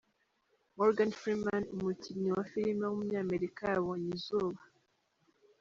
Morgan Freeman, umukinnyi wa filime w’umunyamerika yabonye izuba.